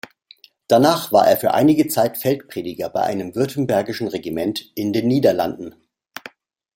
Danach war er für einige Zeit Feldprediger bei einem württembergischen Regiment in den Niederlanden.